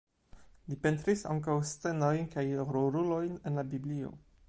Li pentris ankaŭ scenojn kaj rolulojn el la Biblio.